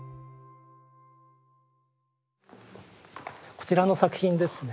こちらの作品ですね。